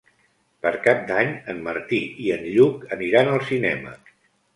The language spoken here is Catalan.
Per Cap d'Any en Martí i en Lluc aniran al cinema.